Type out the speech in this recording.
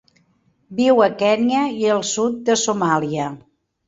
Viu a Kenya i el sud de Somàlia.